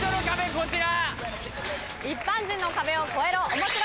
こちら。